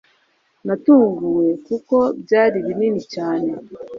natunguwe kuko byari binini cyane